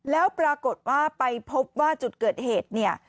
แล้วปรากฏว่าไปพบว่าจุดเกิดเหตุเนี่ย